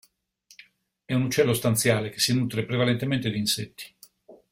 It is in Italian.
È un uccello stanziale che si nutre prevalentemente di insetti.